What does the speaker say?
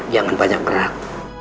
jangan banyak gerak